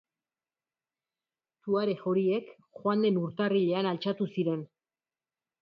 Tuareg horiek joan den urtarrilean altxatu ziren.